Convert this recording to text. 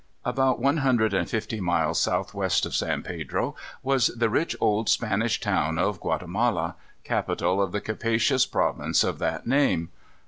About one hundred and fifty miles southwest of San Pedro was the rich old Spanish town of Guatemala, capital of the capacious province of that name.